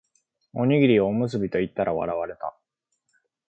おにぎりをおむすびと言ったら笑われた